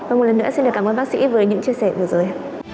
và một lần nữa xin cảm ơn bác sĩ với những chia sẻ vừa rồi